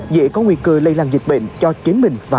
dễ có nguy cơ lây lan dịch bệnh cho chính mình và cộng đồng